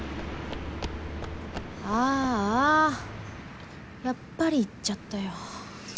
ああやっぱり行っちゃったよ。